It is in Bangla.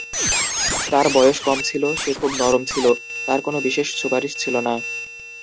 তার বয়স কম ছিল, সে খুব নরম ছিল; তার কোন বিশেষ সুপারিশ ছিল না।